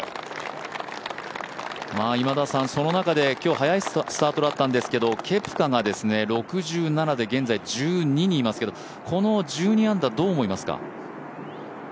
その中で、今日早いスタートだったんですけどケプカが６７で現在１２にいますけど、この１２アンダー、どう思いますか？